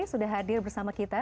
sudah hadir bersama kita